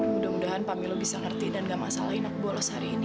mudah mudahan pamilo bisa ngerti dan nggak masalahin aku bolos hari ini